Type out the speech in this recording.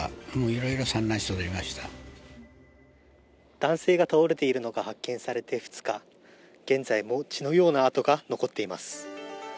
男性が倒れているのが発見されて２日、現在も血のような痕が残っています。